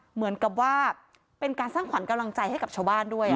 เหมือนกับว่าเป็นการสร้างขวัญกำลังใจให้กับชาวบ้านด้วย